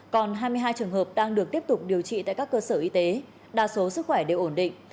còn hai mươi hai trường hợp đang được tiếp tục điều trị tại các cơ sở y tế đa số sức khỏe đều ổn định